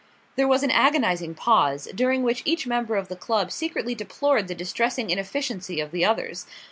There was an agonising pause, during which each member of the club secretly deplored the distressing inefficiency of the others.